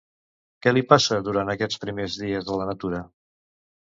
Què li passa, durant aquests primers dies, a la natura?